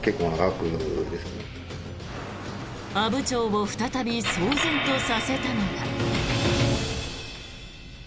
阿武町を再び騒然とさせたのが。